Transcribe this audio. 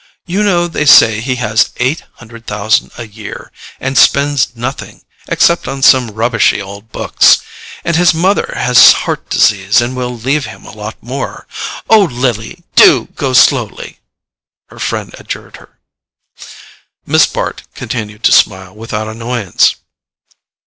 "You know they say he has eight hundred thousand a year—and spends nothing, except on some rubbishy old books. And his mother has heart disease and will leave him a lot more. OH, LILY, DO GO SLOWLY," her friend adjured her. Miss Bart continued to smile without annoyance.